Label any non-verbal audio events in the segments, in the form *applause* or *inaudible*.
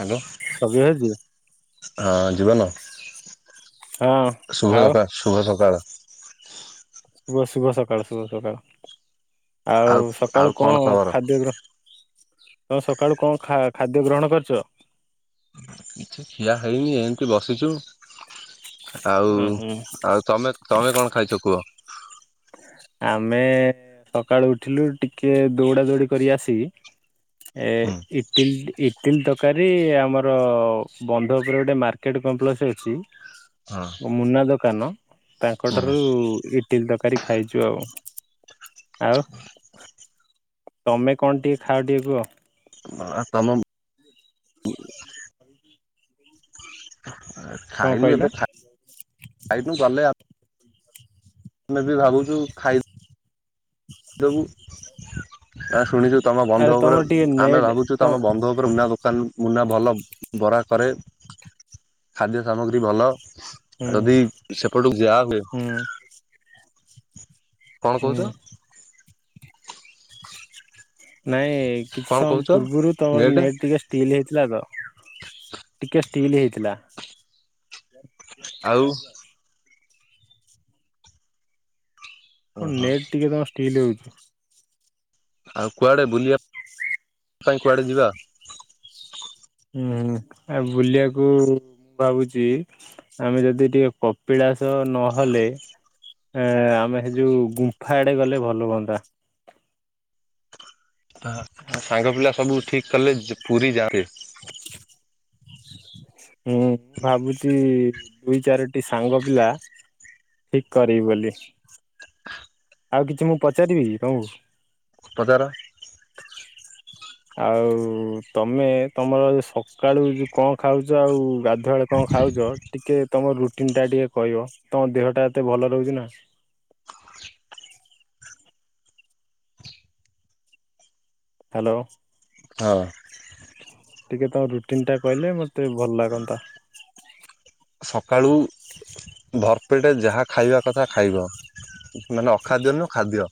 Hello Sabyasachi ହଁ ଜିବନ। ହଁ ଶୁଭ ଆଉ ସକାଳ ଶୁଭ ସକାଳ। ଶୁଭ ଶୁଭ ସକାଳ ଶୁଭ ସକାଳ ଆଉ ସକାଳୁ କଣ ଖାଦ୍ୟ ତମେ ସକାଳୁ କଣ ଖାଦ୍ୟ ଗ୍ରହଣ କରିଛ। କିଛି ଖିଆ ହେଇନି ଏମିତି ବସିଛୁ। ଆଉ ଉଁ ହୁଁ ଆଉ ତମେ ତମେ କଣ ଖାଇଛ କୁହ? ଆମେ ସକାଳୁ ଉଠିଲୁ ଟିକେ ଦୌଡା ଦୌଡି କରି ଆସିିକି। ଏ ହୁଁ ଇଟଲି। ଇଟିଲ୍ ତରକାରୀ ଆମର ବନ୍ଧ ଉପରେ ଗୋଟେ ମାର୍କେଟ କମ୍ପ୍ଲେକ୍ସ ଅଛି। ହଁ ମୁନା ଦୋକାନ ତାଙ୍କ ଠାରୁ ଇଟିଲ ତରକାରି ଖାଇଛୁ ଆଉ ଆଉ। ତମେ କଣ ଟିକେ ଖାଅ ଟିକେ କୁହ। କମ। *unintelligible* କଣ ଖାଇନୁ କହିଲ ଏବେ ଖାଇବୁ ଗଲେ। ଆମେ ବି ଭାବୁଛୁ ଖାଇଦବୁ। ଲବୁ *unintelligible* ଶୁଣିଛୁ ତମ ଆରେ ବନ୍ଧ ଉପରେ ତମର ଟିକେ ଆମେ ନେଟ୍ ଭାବୁଛୁ ତ ତମ ବନ୍ଧ ଉପରେ ମୁନା ଦୋକାନ ମୁନା ଭଲ ବରା କରେ ଖାଦ୍ୟ ସାମଗ୍ରୀ ଭଲ। ଆଉ ହୁଁ ଯଦି ସେପଟକୁ ଯାଆନ୍ତେ। ହୁଁ କଣ ହୁଁ କହୁଛ। ନାଇଁ କିଛି କଣ ସମୟ କହୁଛ ପୂର୍ବରୁ ତମର ନେଟ ନେଟ୍ ଟିକେ ଷ୍ଟିଲ୍ ହେଇଥିଲା ତ। ଟିକେ ଷ୍ଟିଲ୍ ହେଇଥିଲା। ଆଉ *inaudible* କଣ ଓହୋ ନେଟ୍ ଟିକେ ତମ ଷ୍ଟିଲି ହଉଛି। ଆଉ କୁଆଡେ ବୁଲିବା ପାଇଁ କୁଆଡେ ଯିବା ହୁଁ ଆ ବୁଲିବାକୁ ମୁଁ ଭାବୁଛି ଆମେ ଯଦି ଟିକେ କପିଳାସ। ନହେଲେ ଆମେ ସେ ଯୋଉ ଗୁମ୍ଫା ଆଡେ ଗଲେ ଭଲ ହୁଅନ୍ତା। ସାଙ୍ଗ ପିଲା ସବୁ ଠିକ କଲେ ପୁରୀ ଯାଆନ୍ତେ। ହୁଁ ମୁଁ ଭାବୁଛି ଦୁଇ ଚାରିଟି ସାଙ୍ଗ ପିଲା। ଠିକ କରିବି ବୋଲି। ଆଉ କିଛି ମୁଁ ପଚାରିବି ତମକୁ। ପଚାର। ଆଉ ତମେ ତମର ସକାଳୁ କଣ ଖାଉଛ ଆଉ। ଗାଧୁଆବେଳେ କଣ ଖାଉଛ ଟିକେ ତମର ରୁଟି ତିନିଟା ଟିକେ କହିବ ତମ ଦେହ ଟା ଏତେ ଭଲ ରହୁଛି ନା। ହାଲୋ। ହଁ ଟିକେ ତମ ରୁଟିନ ଟା କହିଲେ ମତେ ଭଲ ଲାଗନ୍ତା। ସକାଳୁ ଭରପେଟେ ଯାହା ଖାଇବା କଥା ଖାଇବ। ମାନେ ଅଖାଦ୍ୟ ନୁହଁ ଖାଦ୍ୟ।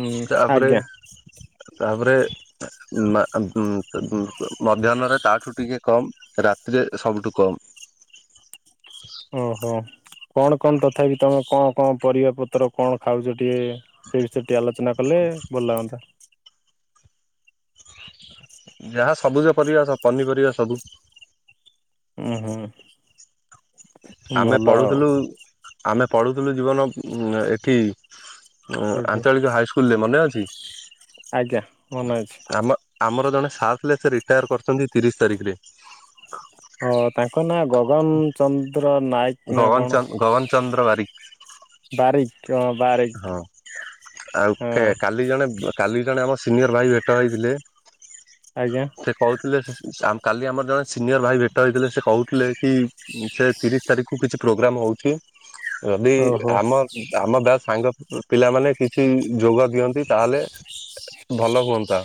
ହୁଁ ତାପରେ ଆଜ୍ଞା। ତାପରେ ମଧ୍ୟାହ୍ନରେ ତାଠୁ ଟିକେ କମ୍ ରାତି ରାତିରେ ସବୁଠୁ କମ୍। ଓହୋ କଣ କଣ ତଥାପି ତମେ କଣ କଣ ପରିବା ପତ୍ର କଣ ଖାଉଛ। ଟିକେ ସେ ବିଷୟରେ ଟିକେ ଆଲୋଚନା କଲେ ଭଲ ହୁଅନ୍ତା। ଯାହା ସବୁଜ ପରିବା ପନିପରିବା ସବୁ ହୁଁ ହୁଁ। ଆମେ ଭଲ ଆଉ ପଢୁଥିଲୁ ଆମେ ପଢୁଥିଲୁ ଜୀବନ ଏଠି କୋଉଠି ଆଞ୍ଚଳିକ ହାଇସ୍କୁଲରେ ମନେ ଅଛି? ଆଜ୍ଞା ମନେଅଛି। ଆମ ଆମର ଜଣେ ସାଥ ଲେଚର ରିଟାୟାର କରିଛନ୍ତି ତିରିଶ ତାରିଖରେ ହ ତାଙ୍କ ନାଁ ଗଗନ ଚନ୍ଦ ଗଗନ ଚନ୍ଦ ଗଗନ ଚନ୍ଦ୍ର ବାରିକ। ବାରିକ। ହଁ ବାରିକ ହଁ ଆଉ ହଁ କା-କାଲି ଜଣେ କାଲି ବି ଜଣେ ଆମ ସିନିୟର ଭାଇ ଭେଟ ହେଇଥିଲେ ଆଜ୍ଞା ସେ କହୁଥିଲେ ସାମ୍ କାଲି ଆମର ଜଣେ ସିନିୟର୍ ଭାଇ ଭେଟ ହେଇଥିଲେ ସେ କହୁଥିଲେ କି, ସେ ତିରିଶ ତାରିଖକୁ କିଛି ପ୍ରୋଗ୍ରାମ୍ ହଉଛି ଯଦି ଓହୋ ଆମ ଆମ ବ୍ୟାଚ ସାଙ୍ଗ ପିଲାମାନେ କିଛି ଯୋଗ ଦିଅନ୍ତି ତାହେଲେ ଭଲ ହୁଅନ୍ତା।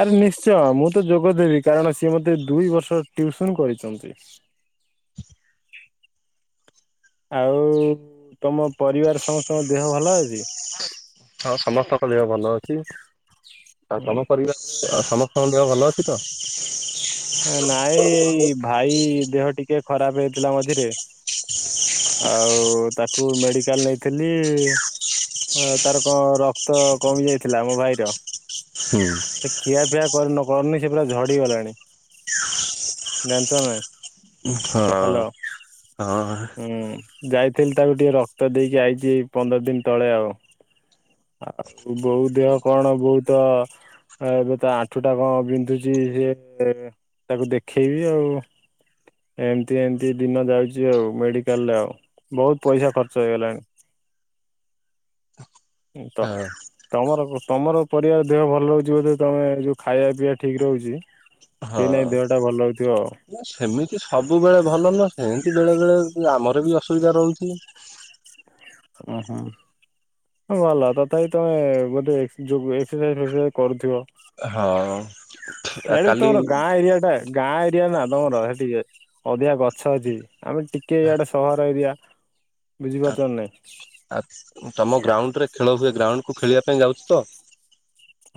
ଆରେ ନିଶ୍ଚୟ। ମୁଁ ତ ଯୋଗଦେବି କାରଣ ସିଏ ମତେ ଦୁଇ ବର୍ଷ ଟିଉସନ କରିଚନ୍ତି। ଆଉ ତମ ପରିବାର ସମସ୍ତଙ୍କ ଦେହ ଭଲ ଅଛି? ହଁ ସମସ୍ତଙ୍କ ଦେହ ଭଲ ଅଛି। ଆଉ ତମ ପରିବାର? ସମସ୍ତଙ୍କ ଦେହ ଭଲ ଅଛି ତ? ନାଇଁ ଏଇ ଭାଇ ଦେହ ଟିକେ ଖରାପ ହେଇଥିଲା ମଝିରେ ଆଉ ତାକୁ ମେଡିକାଲ ନେଇଥେଲି ତାର କଣ ରକ୍ତ କମି ଯାଇଥିଲା ମୋ ଭାଇର ହଁ। ସେ ଖିଆପିଆ କରି କରୁନି ସେ ପୁରା ଝଡିଗଲାଣି। ଜାଣିଚ ନା ନାଇଁ? ହ୍ୟାଲୋ ହଁ ହୁଁ। ଯାଇଥିଲି ତାକୁ ଟିକେ ରକ୍ତ ଦେଇକି ଆଇଚି ପନ୍ଦର ଦିନ ତଳେ ଆଉ। ଆଉ ବୋଉ ଦେହ କଣ ବହୁତ ଏବେ ତା ଆଣ୍ଠୁ ଟା କଣ ବିନ୍ଧୁଛି ଯେ ତାକୁ ଦେଖେଇବି ଆଉ। ଏମତି ଏମତି ଦିନ ଯାଉଚି ଆଉ, ମେଡିକାଲ ରେ ଆଉ, ବହୁତ ପଇସା ଖର୍ଚ୍ଚ ହେଇଗଲାଣି। *inaudible* ତ ହଁ ତମର ତମର ପରିବାର ଦେହ ଭଲ ରହୁଛି ବୋଧେ, ତମେ ଏଇ ଯୋଉ ଖାଇବା ପିଇବା ଠିକ ରହୁଛି ସେଇ ନାଇଁ ଦେହଟା ଭଲ ରହୁଥିବ ଆଉ। ନା ସେମିତି ସବୁବେଳେ ଭଲ ନୁହଁ, ସେମିତି ବେଳେ ବେଳେ ଆମର ବି ଅସୁବିଧା ରହୁଛି। *inaudible* ଉଁ ହୁଁ। ହଁ ଭଲ ତଥାପି ତମେ ବୋଧେ ଯୋଉ ଏକ୍ସରସାଇଜ ଫେକ୍ସରସାଇଜ କରୁଥିବ। ହଁ। ଆଡେ ବି କାଲି ତମର ଗାଁ ଏରିଆଟା ଗାଁ ଏ ଏରିଆ ନା ତମର ସେ ଟିକେ, ଅଧିକା ଗଛ ଅଛି ଆମେ ଟିକେ ଇଆଡେ ସହର ଏରିଆ ବୁଝିପାରୁଛ ନାଇଁ ଆ ତମ ଗ୍ରାଉଣ୍ଡରେ ଖେଳ ହୁଏ ଗ୍ରାଉଣ୍ଡ କୁ ଖେଳିବା ପାଇଁ ଯାଉଛୁ ତ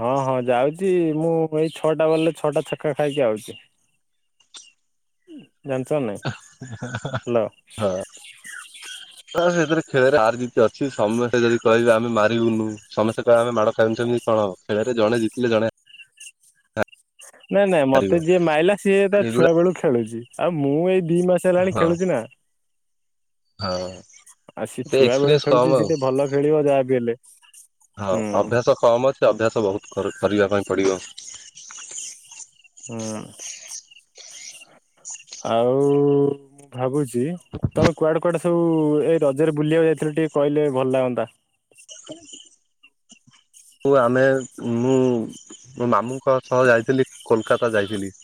ହଁ ହଁ ଯାଉଚି ମୁଁ ଏଇ ଛଅଟା ବଲରେ ଛଅଟା ଛକା ଖାଇକି ଆଉଚି। ଜାଣିଛ ନା ନାଇଁ? ହଁ। ହ୍ୟାଲୋ ତ ସେଥିରେ ଖେଳରେ ହାର ଜିତ୍ ଅଛି। ସମସ୍ତେ ଯଦି କହିବେ ଆମେ ମାରିବୁନୁ, ସମସ୍ତେ କହିବେ ଆମେ ମାଡ ଖାଇବୁନୁ ସେମି କଣ ଖେଳରେ ଜଣେ ଜିତିଲେ ଜଣେ ନାଇଁ ନାଇଁ ହାରିବ ମତେ ଯିଏ ମାଇଲା ସିଏ ତା ଛୁଆ ଏଇଭଳିଆ ବେଳୁ ଖେଳୁଚି। ଆଉ ମୁଁ ଏଇ ଦି ମାସ ହେଲାଣି ହଁ ଖେଳୁଛି ନା। ହଁ ଆଉ ସିଏ ଟିକେ ଛୁଆ ବେଳୁ ଏକ୍ସପିରିଏନ୍ସ ଖେଳୁଛି କମ ସିଏ ଆଉ। ଟିକେ ଭଲ ଖେଳିବ ଯାହା ବିି ହେଲେ। ହଁ ହୁଁ ଅଭ୍ୟାସ କମ ଅଛି ତ ଅଭ୍ୟାସ ବହୁତ କରିବା ପାଇଁ ପଡିବ। ହୁଁ। ଆଉ ଭାବୁଛି ତମେ କୁଆଡେ କୁଆଡେ ସବୁ ଏଇ ରଜରେ ବୁଲିବାକୁ ଯାଇଥିଲ ଟିକେ କହିଲେ ଭଲ ଲାଗନ୍ତା। *inaudible* ଆମେ ମୁଁ ମୋ ମାମୁଁ ସହ ଯାଇଥିଲି କୋଲକାତା ଯାଇଥିଲି। *inaudible*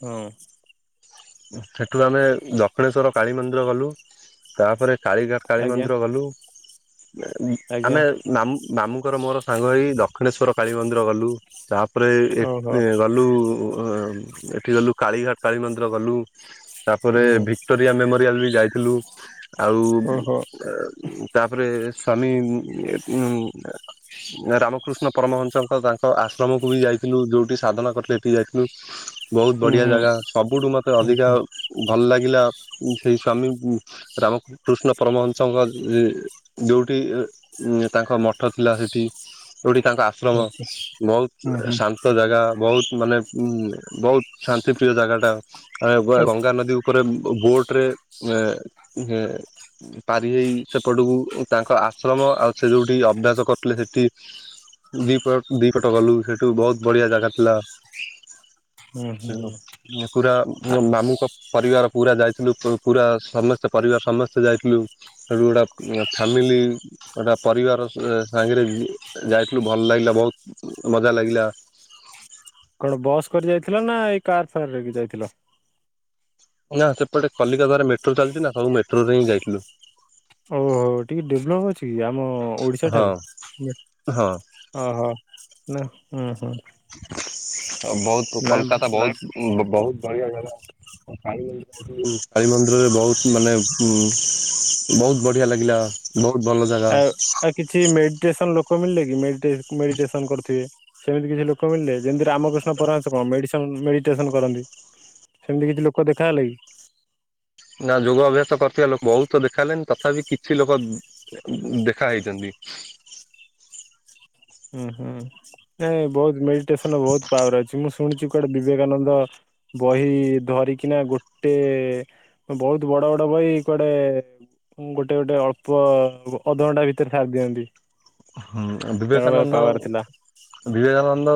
ହୁଁ। ସେଠୁ ଆମେ ଦକ୍ଷଣେଶ୍ୱର କାଳୀ ମନ୍ଦିର ଗଲୁ। ତାପରେ କାଳିଘାଟ କାଳୀ ଆଜ୍ଞା ମନ୍ଦିର ଗଲୁ। ଆଜ୍ଞା ଆମେ ମାମୁଁଙ୍କର ମୋର ସାଙ୍ଗ ହେଇକି ଦକ୍ଷିଣେଶ୍ୱର କାଳୀ ମନ୍ଦିର ଗଲୁ। ତା ତାପରେ ଓହୋ ଗଲୁ ଏଠି ଗଲୁ କାଳିଘାଟ କାଳୀ ମନ୍ଦିର ଗଲୁ। ତାପରେ ହୁଁ ଭିକ୍ଟୋରିଆ ମେମୋରିଆଲ ବି ଯାଇଥିଲୁ। ଆଉ ଓହୋ ତାପରେ ସ୍ୱାମୀ ରାମକୃଷ୍ଣ ପରମହଂସଙ୍କ ତାଙ୍କ ଆଶ୍ରମକୁ ବି ଯାଇଥିଲୁ। ଯୋଉଁଠି ସାଧନା କରିଥିଲେ ଏଠିକି ଯାଇଥିଲୁ। ବହୁତ ହୁଁ ବଢ଼ିଆ ହୁଁ। ଜାଗା ସବୁଠୁ ମୋତେ ହୁଁ ଅଧିକା ଭଲ ଲାଗିଲା ସେଇ ସ୍ଵାମୀ ରାମକୃଷ୍ଣ ପରମହଂସଙ୍କ ଯୋଉଠି ତାଙ୍କ ମଠ ଥିଲା ସେଠି। ଯୋଉଠି ତାଙ୍କ ଆଶ୍ରମ ହୁଁ ବହୁତ ହୁଁ ଶାନ୍ତ ଜାଗା ବହୁତ ମାନେ ବହୁତ ଶାନ୍ତି ପ୍ରିୟ ଜାଗା ଟା ହୁଁ ଗଙ୍ଗା ନଦୀ ଉପରେ ବୋଟରେ ଏ ଏ ପାରି ହେଇ ସେପଟକୁ ତାଙ୍କ ଆଶ୍ରମ ଆଉ ସେ ଯୋଉଠି ଅଭ୍ୟାସ କରୁଥିଲେ ସେଠି ଦିପଟ ଦିପଟ ଗଲୁ ସେଇଠୁ ବହୁତ ବଢିଆ ଜାଗା ଥିଲା। ହୁଁ ହୁଁ। *unintelligible* ପୁରା ମାମୁଁ ଙ୍କ ପରିବାର ପୁରା ଯାଇଥିଲୁ। ପୁରା ସମସ୍ତେ ପରିବାର ସମସ୍ତେ ଯାଇଥିଲୁ ସେଠୁ ଗୋଟେ ଫ୍ୟାମିଲି ପରିବାର ସାଙ୍ଗରେ ଯାଇଥିଲୁ ଭଲ ଲାଗିଲା ବହୁତ, ମଜା ଲାଗିଲା। *inaudible* କଣ ବସ୍ କରି ଯାଇଥିଲ ନା ଏଇ କାର ଫାରରେ ଯାଇଥିଲ? ନା ସେପଟେ କଲିକତା ରେ ମେଟ୍ରୋ ଚାଲିଛି ନା ସବୁ ମେଟ୍ରୋ ରେ ହିଁ ଯାଇଥିଲୁ। ଓହୋ ଟିକେ ଡେଭଲପ୍ ଅଛି କି ଆମ ଓଡିଶା ହଁ ଠାରୁ? ହଁ ଓହୋ ନା ହୁଁ ବହୁତ ନାଇଁ କୋଲକାତା ବହୁତ ବହୁତ ବଢିଆ ଜାଗା। କାଳୀ ମନ୍ଦିର ଯୋଉ କାଳୀ ମନ୍ଦିରରେ ବହୁତ ମାନେ ବହୁତ ବଢିଆ ଲାଗିଲା। ବହୁତ ଭଲ ଜାଗା। ଆଉ କିଛି ମେଡିଟେସନ ଲୋକ ମିଳିଲେ କି? ମେଡିଟେସନ କରୁଥିବେ? ସେମିତି କିଛି ଲୋକ ମିିଳିଲେ ଯେମତି ରାମକୃଷ୍ଣ ପରମଂହସ କଣ ମେଡିସିନ ମେଡିଟେସନ କରନ୍ତି। ସେମତି କିଛି ଲୋକ ଦେଖାହେଲେ କି? ନା ଯୋଗ ଅଭ୍ୟାସ କରିଥିବା ଲୋକ ବହୁତ ଦେଖା ହେଲେନି ତଥାପି କିଛି ଲୋକ ଦେଖା ହେଇଛନ୍ତି। ଉଁ ହୁଁ ନାଇଁ ବହୁତ ମେଡିଟେସନ ବହୁତ ପାୱାର ଅଛି ମୁଁ ଶୁଣିଛି କୁଆଡେ ବିବେକାନନ୍ଦ ବହି ଧରିକିନା ଗୋଟେ ବହୁତ ବଡ ବଡ ବହି କୁଆଡେ ଗୋଟେ ଗୋଟେ ଅଳ୍ପ ଅଧଘଣ୍ଟା ଭିତରେ ସାରି ଦିଅନ୍ତି। ହୁଁ ତାଙ୍କ ପାଖରେ ବିବେକାନନ୍ଦ ପାୱାର ଥିଲା। ବିବେକାନନ୍ଦ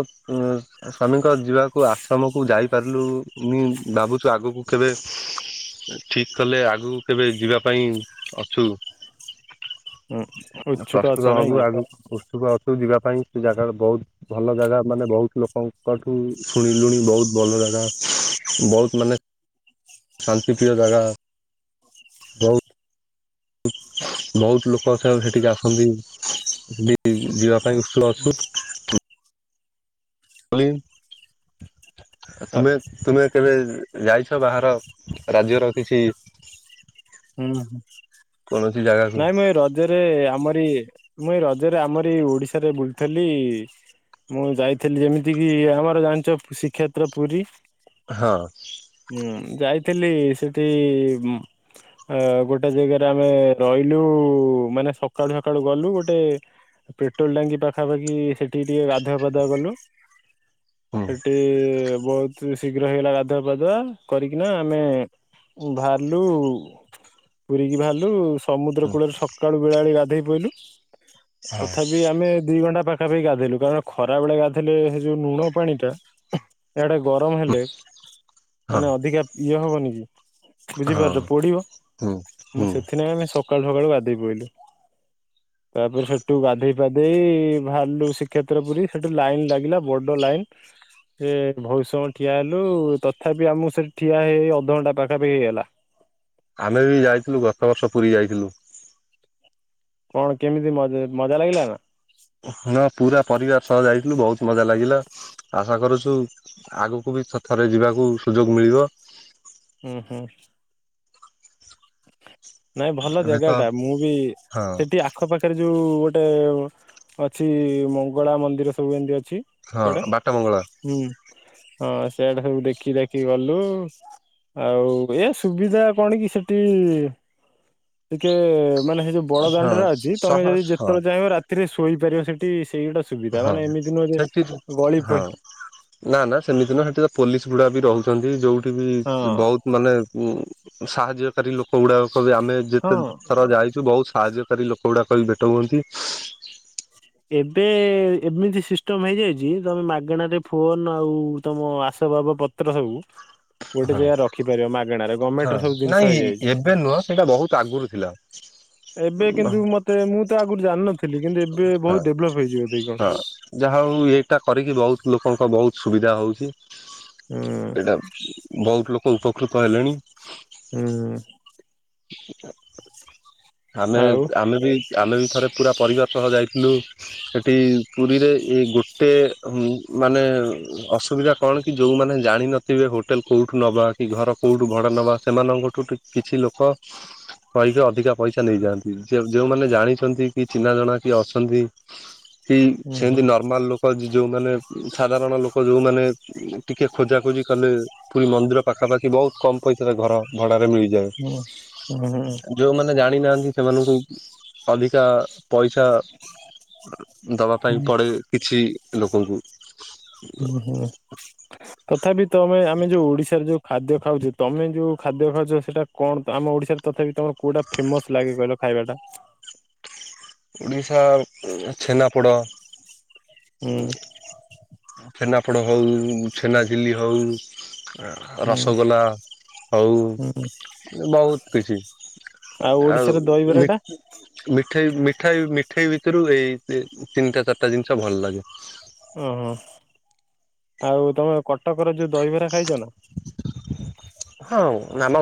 ସ୍ଵାମୀଙ୍କ ଯିବାକୁ ଆଶ୍ରମକୁ ଯାଇପାରିଲୁନି ଭାବୁଛୁ ଆଗକୁ କେବେ ଠିକ କଲେ ଆଗକୁ କେବେ ଯିବା ପାଇଁ ଅଛୁ। ଉଁ ଉଛୁକା ପ୍ରସ୍ତୁତ ଅଛ ନାଇ। ହବୁ ଆଗକୁ ଉଛୁକ ସେଠାକୁ ଯିବା ପାଇଁ ସେ ଜାଗା ବହୁତ ଭଲ ଜାଗା ମାନେ ବହୁତ ଲୋକଙ୍କଠୁ ଶୁଣିଲୁଣି ବହୁତ ଭଲ ଜା ଜାଗା ବହୁତ ମାନେ ଶାନ୍ତିପ୍ରିୟ ଜାଗା ବହୁତ। ବହୁତ ଲୋକ ସେଠିକି ଆସନ୍ତି, ସେଠି ଯିବା *inaudible* କଲି ତୁମେ ତୁମେ କେବେ ଯାଇଛ ବାହାର ରାଜ୍ୟର କିଛି, ହୁଁ ହୁଁ, କୌଣସି ଜାଗାକୁ ନାଇଁମ ଏ ରଜରେ ଆମଆ ମୁଁ ଏଇ ରଜରେ ଆମରି ଓଡିଶାରେ ବୁଲଥେଲି ମୁଁ ଯାଇଥିଲି ଯେମିତି କିି ଆମର ଜାଣିଛ ଶ୍ରୀକ୍ଷେତ୍ର ପୁରୀ। ହଁ। ହୁଁ ଯାଇଥିଲି ସେଠି ଇ ଅ ଗୋଟେ ଜେଗାରେ ଆମେ ରହିଲୁ, ଉ ମାନେ ସକାଳୁ ସକାଳୁ ଗଲୁ ଗୋଟେ ପେଟ୍ରୋଲ ଟାଙ୍କି ପାଖାପାଖି ସେଠି, ଏଠି ଟିକେ ଗଧୁଆ ପାଧୁଆ କଲୁ, ହୁଁ ହେଠି ବହୁତ ଶୀଘ୍ର ହେଇଗଲା ଗାଧୁଆ ପାଧୁଆ, କରିକିନା ଆମେ ବାହାରିଲୁ ପୁୁରୀ କି ବାହାରିଲୁ ସମୁଦ୍ର ହୁଁ କୂଳରେ ସକାଳୁ ବେଳାବେଳୀ ଗାଧେଇ ପଇଲୁ। ହଁ ତଥାପି ଆମେ ଦି ଘଣ୍ଟା ପା ପାଖାପି ଗାଧେଇଲୁ, କାରଣ ଖରା ବେଳେ ଗାଧେଇଲେ ହେଯଉ ନୁଣ ପାଣି ଟା ୟାଡେ ଗରମ ହେଲେ, ହଁ ମାନେ ଅଧିକା ଇଏ ହବନି କି। ହଁ ବୁଝିପାରୁଛ ପୋଡିବ ହୁଁ ହୁଁ ମୁଁ ସେଥିନାଗି ଆମେ ସକାଳୁ ସକାଳୁ ଗାଧେଇ ପଇଲୁ। ତାପରେ ସେଠୁ ଗାଧେଇ ପାଧେଇ ବାହାରିଲୁ ଶ୍ରୀକ୍ଷେତ୍ର ପୁରୀ, ସେଠୁ ଲାଇନ ଲାଗିଲା ବଡ ଲାଇନ ଏ ଭଉତ୍ ସମୟ ଠିଆ ହେଲୁ, ତଥାପି ଆମକୁ ସେଠି ଠିଆ ହେଇ ହେଇ ଅଧଘଣ୍ଟା ପାଖାପାଖି ହେଇଗଲା। ଆମେ ବି ଯାଇଥିଲୁ ଗତ ବର୍ଷ ପୁରୀ ଯାଇଥିଲୁ। କଣ କେମିତି ମଜ୍ ମଜା ଲାଗିଲା ନା? ହଁ ପୁରା ପରିବାର ସହ ଯାଇଥିଲୁ। ବହୁତ ମଜା ଲାଗିଲା। ଆଶା କରୁଛୁ ଆଗକୁ ବି ଥ ଥରେ ଯିବାକୁ ସୁଯୋଗ ମିଳିବ। ଉ ହୁଁ। ନାଇଁ ଭଲ ଏବେ ଜାଗା ତ ଟା। ମୁଁ ବି ହଁ ସେଠି ଆଖପାଖରେ ଯୋଉ ଗୋଟ ଟେ ଏ ଅଛି ମଙ୍ଗଳା ମନ୍ଦିର ସବୁ ଏମିତି ହଁ ଅ ଅଛି ସେଟା ବାଟ ମଙ୍ଗଳା ହୁଁ, ହଁ ସେଆଡେ ସବୁ ଦେଖି ଦେଖି ଗଲୁ। ଆଉ ଏ ସୁବିଧା କଣ କି ସେଠି, ଟିକେ ମାନେ ସେଇ ଯୋଉ ହଁ ବଡଦାଣ୍ଡଟା ଅଛି, ତମେ ସହ ଯଦି ହଁ ଯେତେବେଳେ ଚାହିଁବ ରାତ ତିରେ ଶୋଇପାରିବ ସେଠି। ସେଇଟା ସୁବିଧା ହଁ ମାନେ ଏମିତି ନୁହଁ ଯେ ସେଠି ଗଳି ହଁ ଫଳି ନା ନା ସେମିତି ନୁହଁ, ହେଠିତ ପୋଲିସ ଗୁଡ଼ା ବି ରହୁଛନ୍ତି, ଯଉଠି ବି ହଁ ବହୁତ ମାନେ ସାହାଯ୍ୟକାରୀ ଲୋକ ଗୁଡ଼ାକ କ ଆମେ ହଁ ଯେତେ ଥର ଯାଇଛୁ ବହୁତ ସାହାଯ୍ୟକାରୀ ଲୋକ ଗୁଡାକହିଁ ଭେଟ ହୁଅନ୍ତି। ଏବେ ଏମିତି ସିଷ୍ଟମ ହେଇଯାଇଛି, ତମେ ମାଗଣା ରେ ଫୋନ ଆଉ ତମ ଆସ ବାବ ପତ୍ର ସବୁ, ଗୋଟେ ହଁ ଜେଗାରେ ରଖିପାରିବ ମାଗଣାରେ, ହଁ ଗମେଣ୍ଟ ସବୁ ଦିନିଷ ନାଇଁ ହେଇଯାଇଛି। ଏବେ ନୁହଁ ସେଇଟା ବହୁତ ଆଗରୁ ଥିଲା ଏବେ କିନ୍ତୁ ମତେ ମୁଁ ତ ଆଗରୁ ଜାଣିନଥିଲି, କିନ୍ତୁ ଏବେ ହଁ ବହୁତ ଡେଭଲପ ହେଇଛି ବୋଧେ କି କଣ? ହଁ, ଯାହା ହଉ ଏଇଟା କରିକି ବହୁତ ଲୋକଙ୍କ ବହୁତ ସୁବିଧା ହଉଛି। ହୁଁ ଏଇଟା ବହୁତ ଲୋ ଉପକୃତ ହେଲେଣି। ହୁଁ ଆମେ, ଆଉ ଆମେ ବି ଆମେ ବି। ଥରେ ପୁରା ପରିବାର ସହ ଯାଇଥିଲୁ। ସେଠି ପୁରୀରେ ଏ ଗୋଟେ ମାନେ, ଅସୁବିଧା କଣ କି ଯୋଉମାନେ ଜାଣିିନଥିବେ, ହୋଟେଲ କୋଉଠୁ ନବା, କି ଘର କୋଉଠୁ ଭଡା ନବା? ସେମାନଙ୍କଠୁ କି କିଛି ଲୋକ କହିକି ଅଧିକା ପଇସା ନେଇଯାଆନ୍ତି। ଯେଉଁମାନେ ଜାଣିଛନ୍ତି କି ଚିହ୍ନା ଜଣା କିଏ ଅଛନ୍ତି। କି ହୁଁ ହୁଁ ସେମିତି ନର୍ମାଲ ଲୋକ ଯୋଉମାନେ ସାଧାରଣ ଲୋକ ଯୋଉମାନେ ଟିକେ ଖୋଜାଖୋଜି କଲେ ପୁରୀ ମନ୍ଦିର ପାଖାପାଖି ବହୁତ କମ ପଇସାାରେ ଘର ଭଡାରେ ମିଳିଯାଏ। ହୁଁ ହୁଁ ଯୋଉମାନେ ଜାଣିନାହାନ୍ତି ସେମାନଙ୍କୁ ଅଧିକା ପଇସା ଦବା ପାଇଁ ପଡ଼େ କିଛି ଲୋକଙ୍କୁ। ହୁଁ ହୁଁ। ତଥାପି ତମେ ଆମେ ଯୋଉ ଓଡିଶାର ଯୋଉ ଖାଦ୍ୟ ଖାଉଛ ତମେ ଯୋଉ ଖାଦ୍ୟ ଖାଉଛ ସେଇଟା କଣ ଆମ ଓଡିଶାରେ ତଥାପି ତମେ କୋଉଟା ଫେମସ ଲାଗେ କହିଲ? ଖାଇବା ଟା? ଓଡ଼ିଶା ଛେନାପୋଡ଼ ହୁଁ ଛେନାପୋଡ ହଉ ଛେନାଝିଲି ହଉ। ହୁଁ ରସଗୋଲା ହଉ ହୁଁ ବହୁତ କିଛି। ଆଉ ଓଡିଶାର ଦହିବରାଟା ମିଠେଇ ମିଠ ମିଠ ମିଠେଇ ଭିତରୁ ଏଇ ତିନିଟା ଚାରିଟା ଜିନିଷ ଭଲ ଲାଗେ। ଓହୋ ଆଉ ତମେ କଟକର ଯୋଉ ଦହିବରା ଖାଇଛ ନା? ହଁ ଆମ